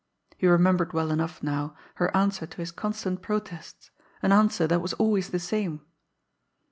He remembered well enough now her answer to his constant protests, an answer that was always the same.